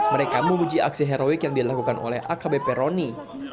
mereka memuji aksi heroik yang dilakukan oleh akb peroni